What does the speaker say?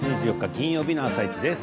金曜日の「あさイチ」です。